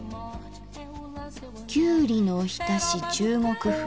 きゅうりのおひたし中国風。